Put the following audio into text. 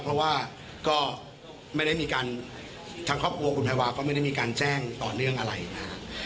เพราะว่าก็ไม่ได้มีการทางครอบครัวคุณแพรวาก็ไม่ได้มีการแจ้งต่อเนื่องอะไรนะครับ